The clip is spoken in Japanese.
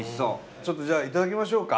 ちょっとじゃあ頂きましょうか。